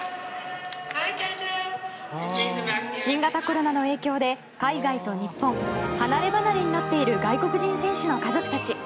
新型コロナの影響で海外と日本離れ離れになっている外国人選手の家族たち。